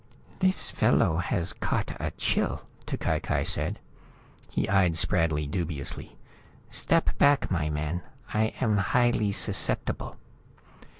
"This fellow has caught a chill," T'Cai Cai said. He eyed Spradley dubiously. "Step back, my man. I am highly susceptible.